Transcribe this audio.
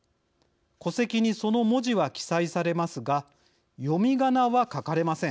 戸籍にその文字は記載されますが読みがなは書かれません。